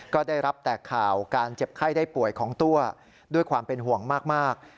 ก็ได้รับแต่ข่าวการเจ็บไข้ได้ป่วยของตัวด้วยความเป็นห่วงมาก